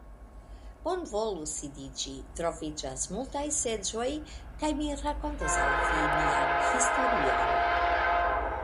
Bonvolu sidiĝi, troviĝas multaj seĝoj; kaj mi rakontos al vi mian historion.